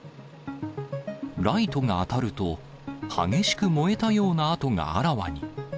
ライトが当たると、激しく燃えたような跡があらわに。